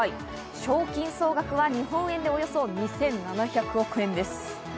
賞金総額は日本円でおよそ２７００億円です。